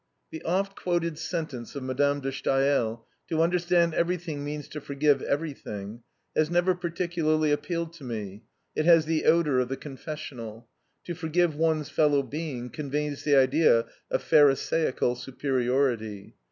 The oft quoted sentence of Madame de Stael: "To understand everything means to forgive everything," has never particularly appealed to me; it has the odor of the confessional; to forgive one's fellow being conveys the idea of pharisaical superiority.